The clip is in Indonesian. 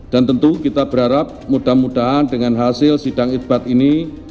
dan tentu kita berharap mudah mudahan dengan hasil sidang isbat ini